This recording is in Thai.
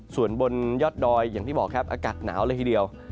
ส่วนบนยอดดอยอย่างที่บอกครับอากาศหนาวเลยทีเดียว